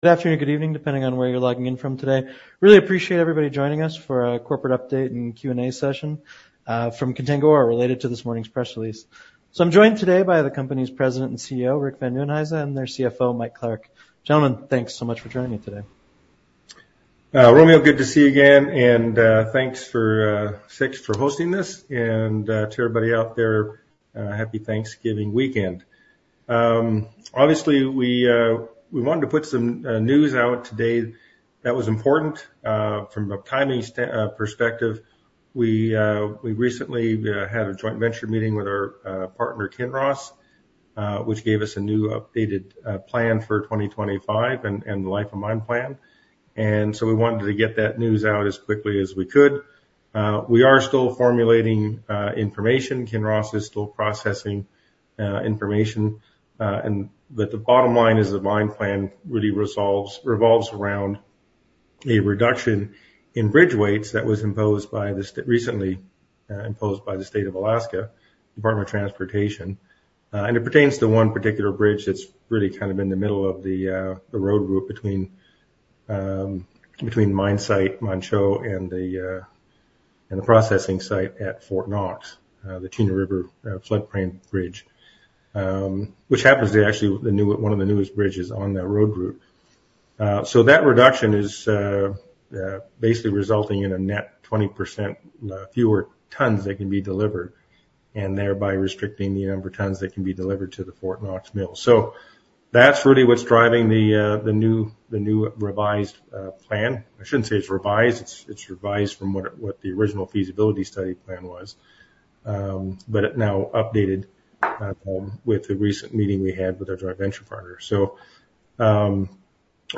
Good afternoon, good evening, depending on where you're logging in from today. Really appreciate everybody joining us for a corporate update and Q&A session from Contango Ore related to this morning's press release. So I'm joined today by the company's President and CEO, Rick Van Nieuwenhuyse, and their CFO, Mike Clark. Gentlemen, thanks so much for joining me today. Romeo, good to see you again. And thanks to 6ix for hosting this. And to everybody out there, happy Thanksgiving weekend. Obviously, we wanted to put some news out today that was important. From a timing perspective, we recently had a joint venture meeting with our partner, Kinross, which gave us a new updated plan for 2025 and the life of mine plan. And so we wanted to get that news out as quickly as we could. We are still formulating information. Kinross is still processing information. But the bottom line is the mine plan really revolves around a reduction in bridge weights that was recently imposed by the State of Alaska Department of Transportation. It pertains to one particular bridge that's really kind of in the middle of the road route between mine site, Manh Choh, and the processing site at Fort Knox, the Chena River Floodplain Bridge, which happens to actually be one of the newest bridges on that road route. So that reduction is basically resulting in a net 20% fewer tons that can be delivered, and thereby restricting the number of tons that can be delivered to the Fort Knox mill. So that's really what's driving the new revised plan. I shouldn't say it's revised. It's revised from what the original feasibility study plan was, but now updated with the recent meeting we had with our joint venture partner. So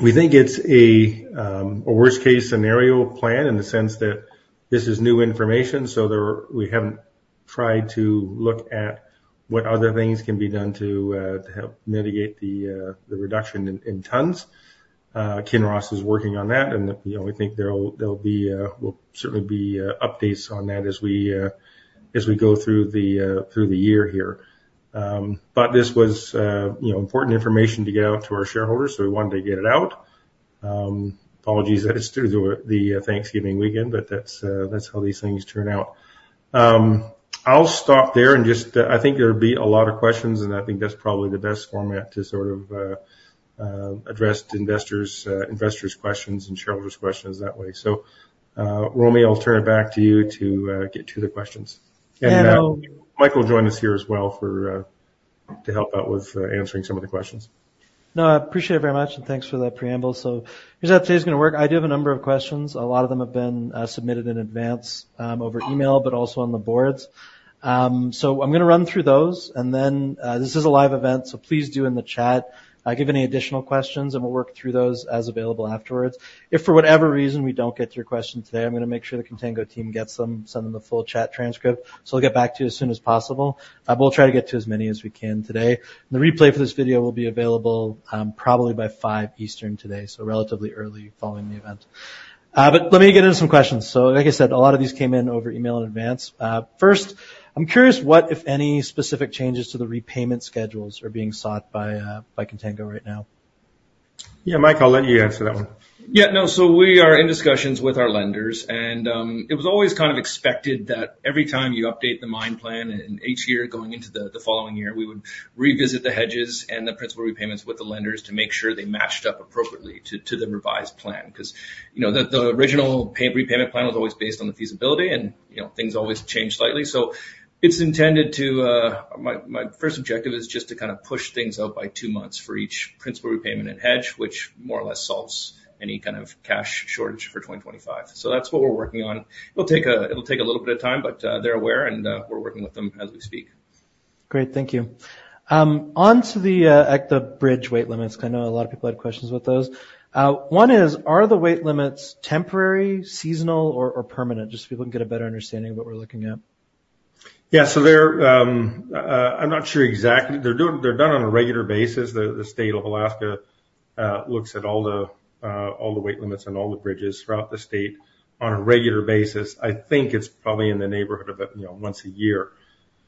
we think it's a worst-case scenario plan in the sense that this is new information. We haven't tried to look at what other things can be done to help mitigate the reduction in tons. Kinross is working on that. We think there will certainly be updates on that as we go through the year here. This was important information to get out to our shareholders. We wanted to get it out. Apologies that it's through the Thanksgiving weekend, but that's how these things turn out. I'll stop there. I think there'll be a lot of questions. I think that's probably the best format to sort of address investors' questions and shareholders' questions that way. Romeo, I'll turn it back to you to get to the questions. Michael will join us here as well to help out with answering some of the questions. No, I appreciate it very much. And thanks for that preamble. So here's how today's going to work. I do have a number of questions. A lot of them have been submitted in advance over email, but also on the boards. So I'm going to run through those. And then this is a live event. So please do in the chat give any additional questions. And we'll work through those as available afterwards. If for whatever reason we don't get to your question today, I'm going to make sure the Contango team gets them, send them the full chat transcript. So I'll get back to you as soon as possible. We'll try to get to as many as we can today. And the replay for this video will be available probably by 5:00 P.M. Eastern today, so relatively early following the event. But let me get into some questions. So like I said, a lot of these came in over email in advance. First, I'm curious what, if any, specific changes to the repayment schedules are being sought by Contango right now? Yeah, Mike, I'll let you answer that one. Yeah, no. So we are in discussions with our lenders. And it was always kind of expected that every time you update the mine plan, and each year going into the following year, we would revisit the hedges and the principal repayments with the lenders to make sure they matched up appropriately to the revised plan. Because the original repayment plan was always based on the feasibility. And things always change slightly. So it's intended to, my first objective is just to kind of push things up by two months for each principal repayment and hedge, which more or less solves any kind of cash shortage for 2025. So that's what we're working on. It'll take a little bit of time. But they're aware. And we're working with them as we speak. Great. Thank you. On to the bridge weight limits, because I know a lot of people had questions with those. One is, are the weight limits temporary, seasonal, or permanent, just so people can get a better understanding of what we're looking at? Yeah. So I'm not sure exactly. They're done on a regular basis. The State of Alaska looks at all the weight limits and all the bridges throughout the state on a regular basis. I think it's probably in the neighborhood of once a year.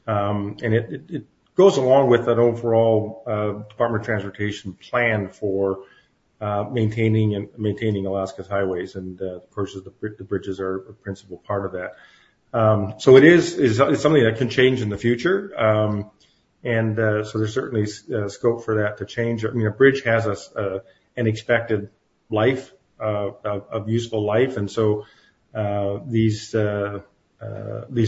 And it goes along with that overall Department of Transportation plan for maintaining Alaska's highways. And of course, the bridges are a principal part of that. So it's something that can change in the future. And so there's certainly scope for that to change. I mean, a bridge has an expected life of useful life. And so these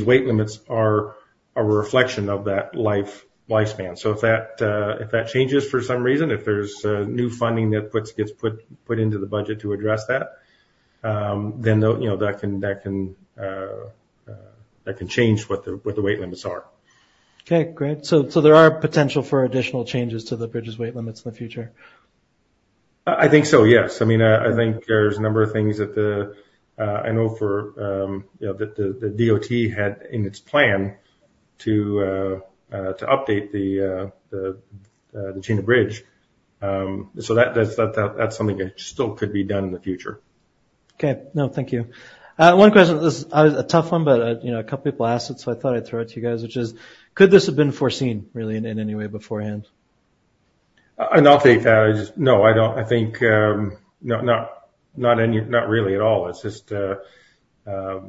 weight limits are a reflection of that lifespan. So if that changes for some reason, if there's new funding that gets put into the budget to address that, then that can change what the weight limits are. Okay. Great. So there are potential for additional changes to the bridges' weight limits in the future? I think so, yes. I mean, I think there's a number of things that I know for the DOT had in its plan to update the Chena Bridge. So that's something that still could be done in the future. Okay. No, thank you. One question. This is a tough one, but a couple of people asked it. So I thought I'd throw it to you guys, which is, could this have been foreseen, really, in any way beforehand? I don't think that. No, I don't. I think not really at all. It's just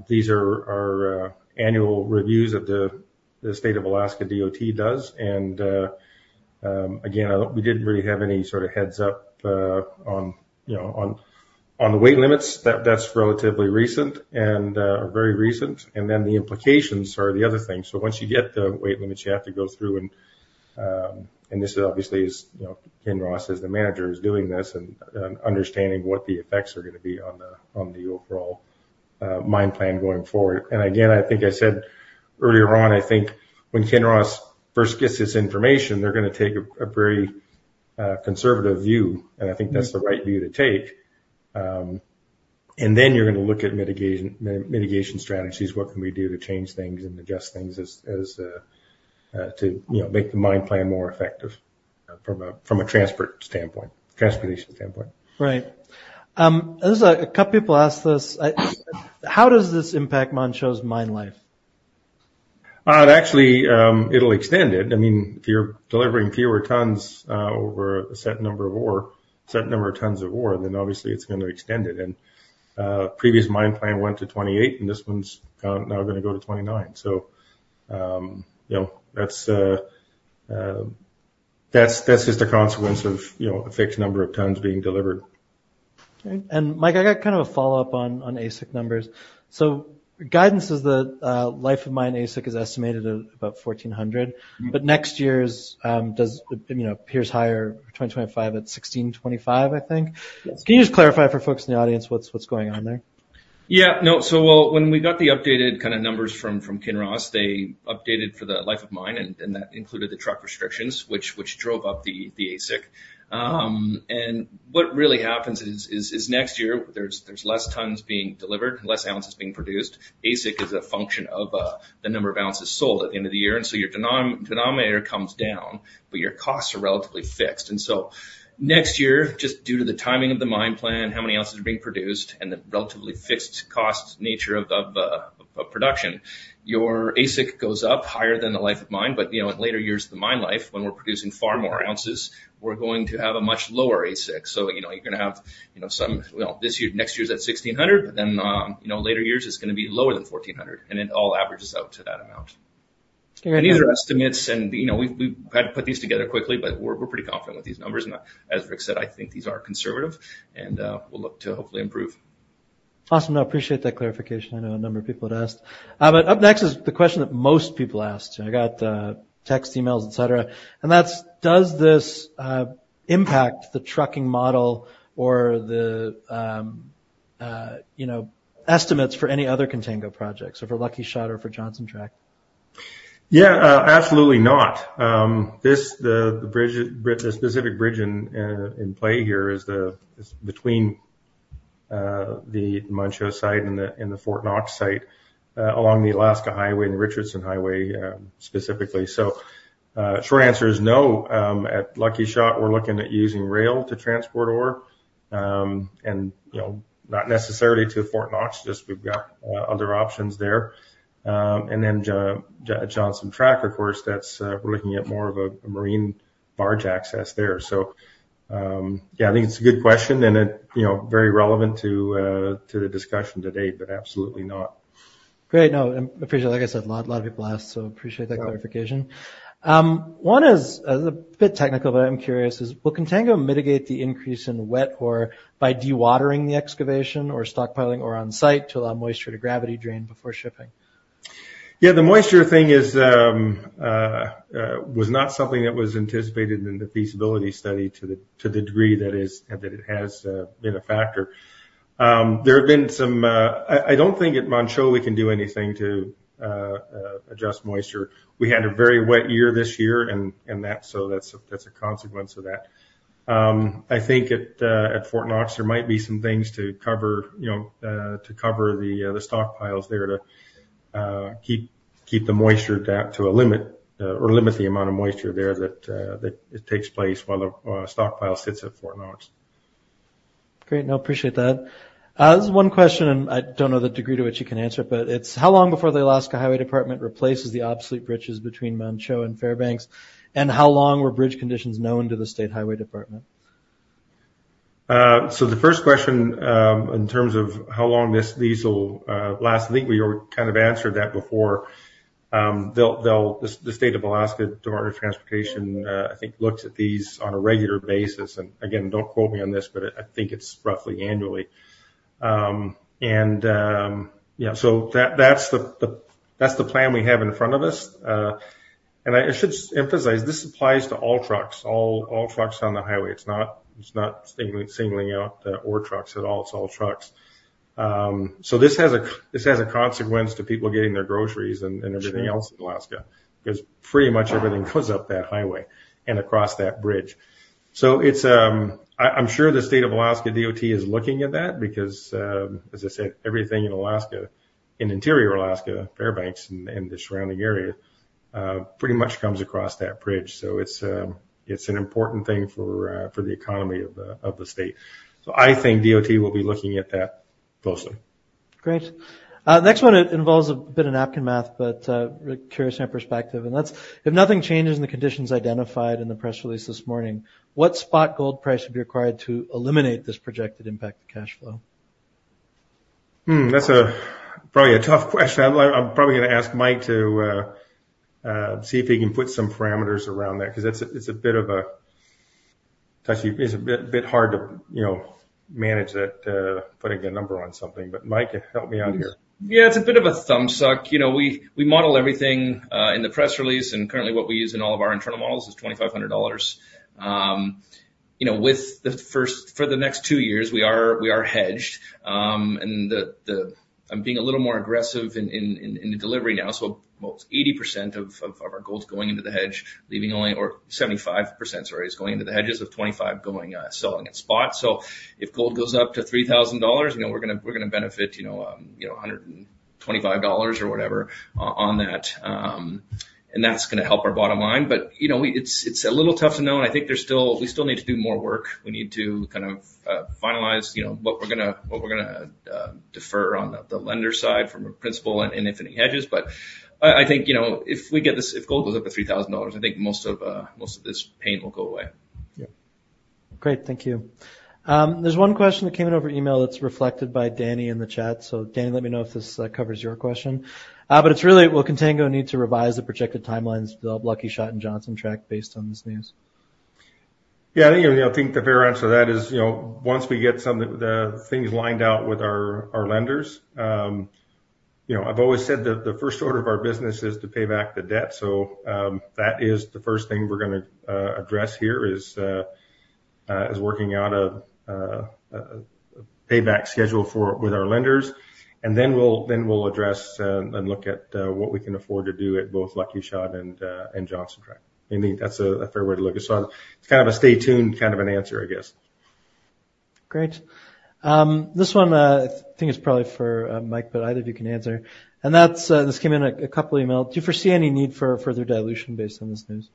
these are annual reviews that the State of Alaska DOT does, and again, we didn't really have any sort of heads up on the weight limits. That's relatively recent and very recent, and then the implications are the other thing, so once you get the weight limits, you have to go through, and this obviously is Kinross as the manager is doing this and understanding what the effects are going to be on the overall mine plan going forward, and again, I think I said earlier on, I think when Kinross first gets this information, they're going to take a very conservative view, and I think that's the right view to take. Then you're going to look at mitigation strategies. What can we do to change things and adjust things to make the mine plan more effective from a transportation standpoint. Right. There's a couple of people asked this. How does this impact Manh Choh's mine life? Actually, it'll extend it. I mean, if you're delivering fewer tons over a set number of years, a set number of tons of ore, then obviously it's going to extend it, and previous mine plan went to 2028, and this one's now going to go to 2029, so that's just a consequence of a fixed number of tons being delivered. Okay. And Mike, I got kind of a follow-up on AISC numbers. So guidance is that life of mine AISC is estimated at about $1,400. But next year's appears higher, 2025 at $1,625, I think. Can you just clarify for folks in the audience what's going on there? Yeah. No, so when we got the updated kind of numbers from Kinross, they updated for the life of mine. And that included the truck restrictions, which drove up the AISC. And what really happens is next year, there's less tons being delivered, less ounces being produced. AISC is a function of the number of ounces sold at the end of the year. And so your denominator comes down, but your costs are relatively fixed. And so next year, just due to the timing of the mine plan, how many ounces are being produced, and the relatively fixed cost nature of production, your AISC goes up higher than the life of mine. But in later years of the mine life, when we're producing far more ounces, we're going to have a much lower AISC. So you're going to have some well, this year, next year's at $1,600. But then later years, it's going to be lower than $1,400. And it all averages out to that amount. And these are estimates. And we've had to put these together quickly. But we're pretty confident with these numbers. And as Rick said, I think these are conservative. And we'll look to hopefully improve. Awesome. No, I appreciate that clarification. I know a number of people had asked. But up next is the question that most people asked. I got texts, emails, et cetera. And that's, does this impact the trucking model or the estimates for any other Contango projects, or for Lucky Shot, or for Johnson Tract? Yeah, absolutely not. The specific bridge in play here is between the Manh Choh site and the Fort Knox site along the Alaska Highway and the Richardson Highway specifically, so short answer is no. At Lucky Shot, we're looking at using rail to transport ore, and not necessarily to Fort Knox. Just we've got other options there, and then at Johnson Tract, of course, we're looking at more of a marine barge access there, so yeah, I think it's a good question and very relevant to the discussion today, but absolutely not. Great. No, I appreciate it. Like I said, a lot of people asked. So appreciate that clarification. One is a bit technical, but I'm curious. Will Contango mitigate the increase in wet ore by dewatering the excavation or stockpiling ore on site to allow moisture to gravity drain before shipping? Yeah, the moisture thing was not something that was anticipated in the feasibility study to the degree that it has been a factor. There have been some. I don't think at Manh Choh we can do anything to address moisture. We had a very wet year this year, and so that's a consequence of that. I think at Fort Knox, there might be some things to cover the stockpiles there to keep the moisture down to a limit or limit the amount of moisture there that takes place while the stockpile sits at Fort Knox. Great. No, appreciate that. This is one question, and I don't know the degree to which you can answer. But it's, how long before the Alaska Highway Department replaces the obsolete bridges between Manh Choh and Fairbanks? And how long were bridge conditions known to the state highway department? So the first question in terms of how long this diesel lasts I think we kind of answered that before. The State of Alaska Department of Transportation, I think, looks at these on a regular basis. And again, don't quote me on this. But I think it's roughly annually. And yeah, so that's the plan we have in front of us. And I should emphasize, this applies to all trucks, all trucks on the highway. It's not singling out ore trucks at all. It's all trucks. So this has a consequence to people getting their groceries and everything else in Alaska because pretty much everything goes up that highway and across that bridge. So I'm sure the State of Alaska DOT is looking at that because, as I said, everything in Alaska, in Interior Alaska, Fairbanks, and the surrounding area pretty much comes across that bridge. So it's an important thing for the economy of the state. So I think DOT will be looking at that closely. Great. Next one involves a bit of napkin math, but curious from your perspective, and that's, if nothing changes in the conditions identified in the press release this morning, what spot gold price would be required to eliminate this projected impact to cash flow? That's probably a tough question. I'm probably going to ask Mike to see if he can put some parameters around that because it's a bit hard to manage that, putting a number on something. But Mike, help me out here. Yeah, it's a bit of a thumb suck. We model everything in the press release, and currently, what we use in all of our internal models is $2,500. With the first for the next two years, we are hedged. And I'm being a little more aggressive in the delivery now, so 80% of our gold's going into the hedge, leaving only or 75%, sorry, is going into the hedges of 25% going selling at spot, so if gold goes up to $3,000, we're going to benefit $125 or whatever on that, and that's going to help our bottom line, but it's a little tough to know, and I think we still need to do more work. We need to kind of finalize what we're going to defer on the lender side from a principal and if any hedges. But I think if gold goes up to $3,000, I think most of this pain will go away. Yeah. Great. Thank you. There's one question that came in over email that's reflected by Danny in the chat. So Danny, let me know if this covers your question. But it's really, will Contango need to revise the projected timelines to develop Lucky Shot and Johnson Tract based on this news? Yeah, I think the fair answer to that is once we get the things lined out with our lenders. I've always said that the first order of our business is to pay back the debt. So that is the first thing we're going to address here is working out a payback schedule with our lenders. And then we'll address and look at what we can afford to do at both Lucky Shot and Johnson Tract. I think that's a fair way to look at it. So it's kind of a stay tuned kind of an answer, I guess. Great. This one, I think it's probably for Mike, but either of you can answer, and this came in a couple of emails. Do you foresee any need for further dilution based on this news?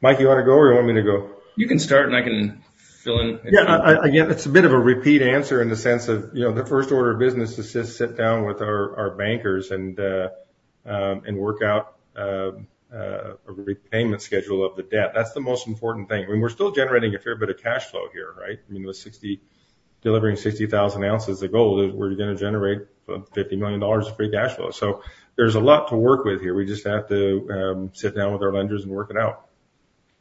Mike, you want to go or you want me to go? You can start, and I can fill in. Yeah. Again, it's a bit of a repeat answer in the sense of the first order of business is to sit down with our bankers and work out a repayment schedule of the debt. That's the most important thing. I mean, we're still generating a fair bit of cash flow here, right? I mean, delivering 60,000 ounces of gold is where you're going to generate $50 million of free cash flow. So there's a lot to work with here. We just have to sit down with our lenders and work it out.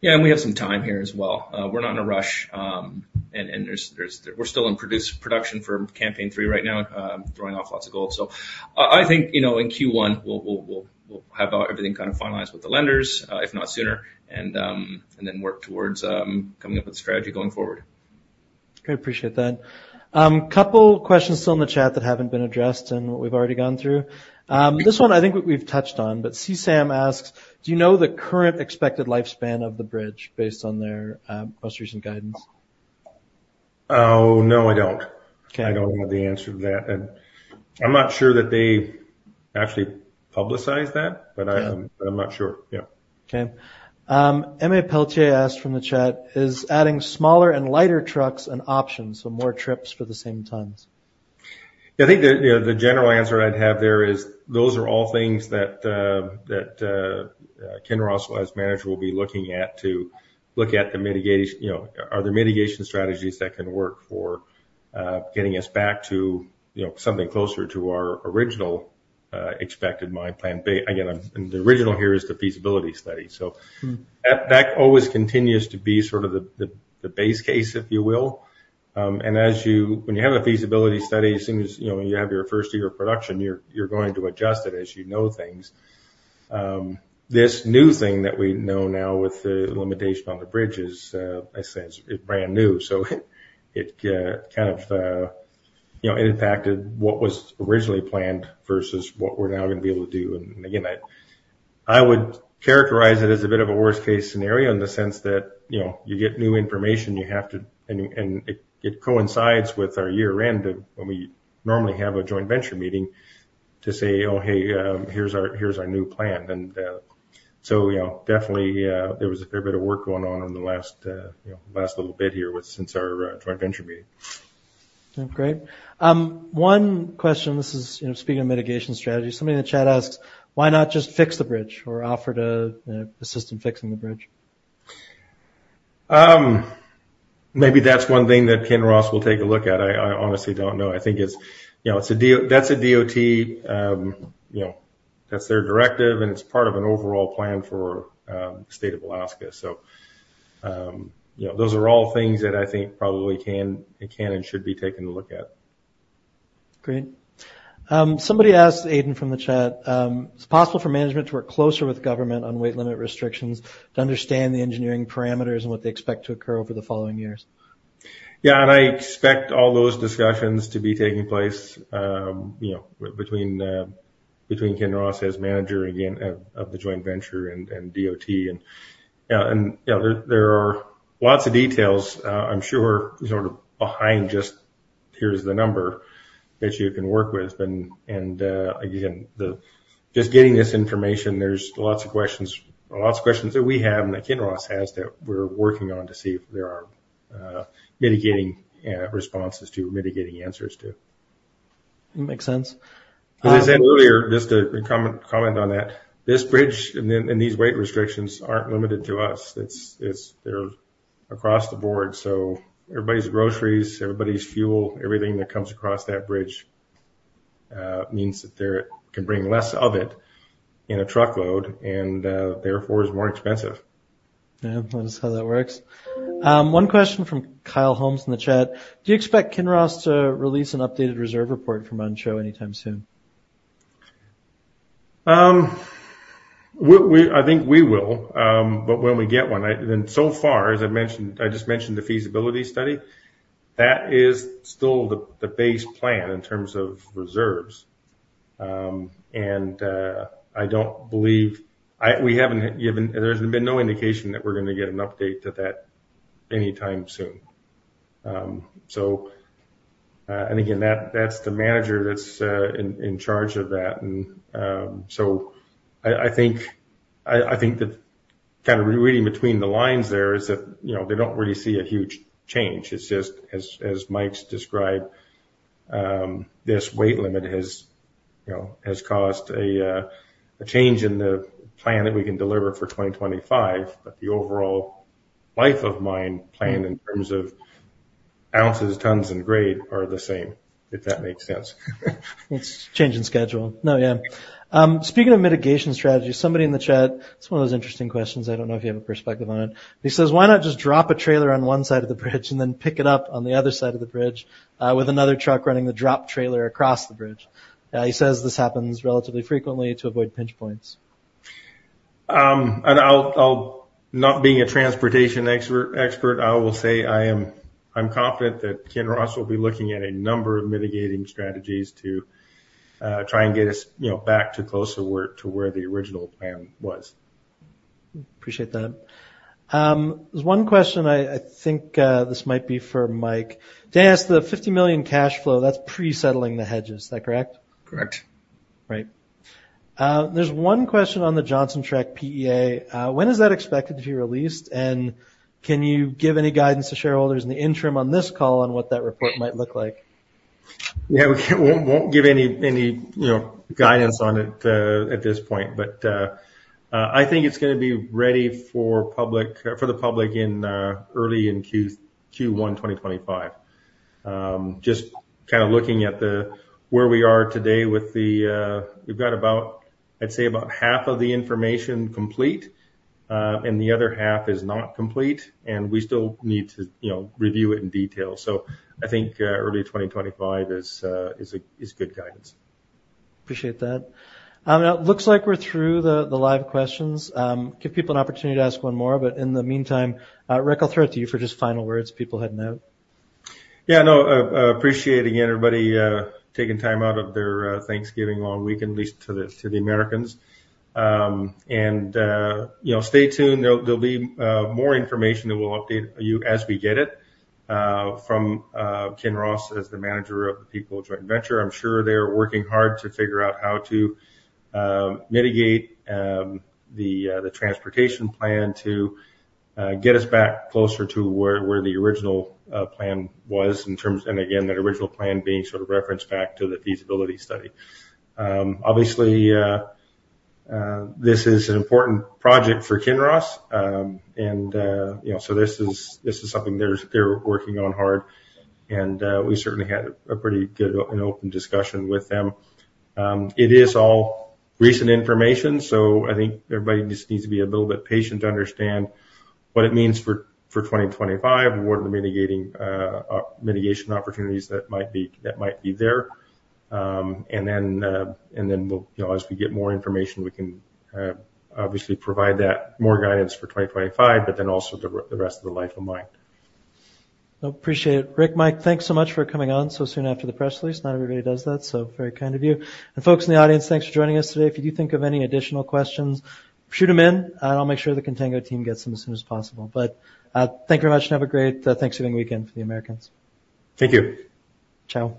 Yeah. And we have some time here as well. We're not in a rush. And we're still in production for Campaign 3 right now, throwing off lots of gold. So I think in Q1, we'll have everything kind of finalized with the lenders, if not sooner, and then work towards coming up with a strategy going forward. Okay. Appreciate that. A couple of questions still in the chat that haven't been addressed and what we've already gone through. This one, I think we've touched on. But CSAM asks, do you know the current expected lifespan of the bridge based on their most recent guidance? Oh, no, I don't. I don't have the answer to that. And I'm not sure that they actually publicize that. But I'm not sure. Yeah. Okay. Emma Peltier asks from the chat, is adding smaller and lighter trucks an option for more trips for the same tons? Yeah, I think the general answer I'd have there is those are all things that Kinross, as manager, will be looking at to look at the mitigation. Are there mitigation strategies that can work for getting us back to something closer to our original expected mine plan? Again, the original here is the feasibility study. So that always continues to be sort of the base case, if you will, and when you have a feasibility study, as soon as you have your first year of production, you're going to adjust it as you know things. This new thing that we know now with the limitation on the bridges, I say it's brand new. So it kind of impacted what was originally planned versus what we're now going to be able to do. And again, I would characterize it as a bit of a worst case scenario in the sense that you get new information. And it coincides with our year end when we normally have a joint venture meeting to say, "Oh, hey, here's our new plan." And so definitely, there was a fair bit of work going on in the last little bit here since our joint venture meeting. Great. One question. This is speaking of mitigation strategy. Somebody in the chat asks, why not just fix the bridge or offer to assist in fixing the bridge? Maybe that's one thing that Kinross will take a look at. I honestly don't know. I think it's a DOT. That's their directive. It's part of an overall plan for the state of Alaska. So those are all things that I think probably can and should be taken a look at. Great. Somebody asked, Aiden from the chat, is it possible for management to work closer with government on weight limit restrictions to understand the engineering parameters and what they expect to occur over the following years? Yeah. And I expect all those discussions to be taking place between Kinross as manager, again, of the joint venture and DOT. And there are lots of details, I'm sure, sort of behind just here's the number that you can work with. And again, just getting this information, there's lots of questions, lots of questions that we have and that Kinross has that we're working on to see if there are mitigating responses to, mitigating answers to. Makes sense. As I said earlier, just to comment on that, this bridge and these weight restrictions aren't limited to us. They're across the board. So everybody's groceries, everybody's fuel, everything that comes across that bridge means that they can bring less of it in a truckload and therefore is more expensive. Yeah. That is how that works. One question from Kyle Holmes in the chat. Do you expect Kinross to release an updated reserve report for Manh Choh anytime soon? I think we will. But when we get one, then so far, as I mentioned, I just mentioned the feasibility study. That is still the base plan in terms of reserves. And I don't believe we haven't. There's been no indication that we're going to get an update to that anytime soon. And again, that's the manager that's in charge of that. And so I think that kind of reading between the lines there is that they don't really see a huge change. It's just, as Mike's described, this weight limit has caused a change in the plan that we can deliver for 2025. But the overall life of mine planned in terms of ounces, tons, and grade are the same, if that makes sense. It's change in schedule. No, yeah. Speaking of mitigation strategy, somebody in the chat. It's one of those interesting questions. I don't know if you have a perspective on it. He says, "Why not just drop a trailer on one side of the bridge and then pick it up on the other side of the bridge with another truck running the drop trailer across the bridge?" He says this happens relatively frequently to avoid pinch points. Not being a transportation expert, I will say I am confident that Kinross will be looking at a number of mitigating strategies to try and get us back to closer to where the original plan was. Appreciate that. There's one question. I think this might be for Mike. Dan asked, the $50 million cash flow, that's pre-settling the hedges. Is that correct? Correct. Great. There's one question on the Johnson Tract PEA. When is that expected to be released? And can you give any guidance to shareholders in the interim on this call on what that report might look like? Yeah. We won't give any guidance on it at this point. But I think it's going to be ready for the public early in Q1 2025. Just kind of looking at where we are today with the, we've got about, I'd say, about half of the information complete. And the other half is not complete. And we still need to review it in detail. So I think early 2025 is good guidance. Appreciate that. Now, it looks like we're through the live questions. Give people an opportunity to ask one more. But in the meantime, Rick, I'll throw it to you for just final words, people heading out. Yeah. No, appreciate again everybody taking time out of their Thanksgiving long weekend, at least to the Americans, and stay tuned. There'll be more information that we'll update you as we get it from Kinross as the manager of the Peak Gold joint venture. I'm sure they're working hard to figure out how to mitigate the transportation plan to get us back closer to where the original plan was in terms, and again, that original plan being sort of referenced back to the feasibility study. Obviously, this is an important project for Kinross, and so this is something they're working on hard, and we certainly had a pretty good and open discussion with them. It is all recent information, so I think everybody just needs to be a little bit patient to understand what it means for 2025, what are the mitigation opportunities that might be there. And then as we get more information, we can obviously provide that more guidance for 2025, but then also the rest of the life of mine. Appreciate it. Rick, Mike, thanks so much for coming on so soon after the press release. Not everybody does that, so very kind of you, and folks in the audience, thanks for joining us today. If you do think of any additional questions, shoot them in, and I'll make sure the Contango team gets them as soon as possible, but thank you very much, and have a great Thanksgiving weekend for the Americans. Thank you. Ciao.